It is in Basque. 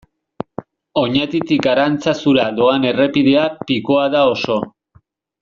Oñatitik Arantzazura doan errepidea pikoa da oso.